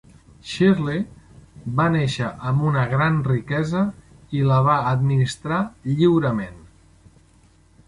Shirley va néixer amb una gran riquesa i la va administrar lliurement.